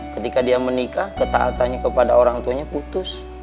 ketika dia menikah ketaatannya kepada orang tuanya putus